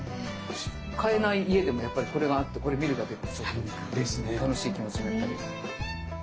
飼えない家でもやっぱりこれがあってこれ見るだけで楽しい気持ちになったり。